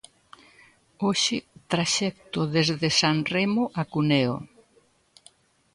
Hoxe, traxecto desde Sanremo a Cuneo.